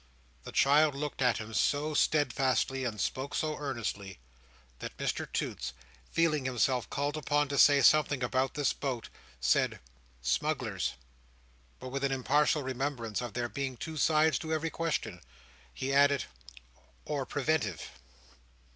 The child looked at him so steadfastly, and spoke so earnestly, that Mr Toots, feeling himself called upon to say something about this boat, said, "Smugglers." But with an impartial remembrance of there being two sides to every question, he added, "or Preventive."